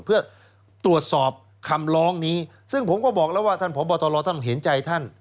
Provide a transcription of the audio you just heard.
เพื่อตรวจสอบคำร้องนี้ซึ่งผมก็บอกแล้วว่าท่านพบตรท่านเห็นใจท่าน